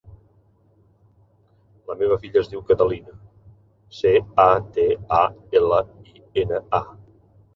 La meva filla es diu Catalina: ce, a, te, a, ela, i, ena, a.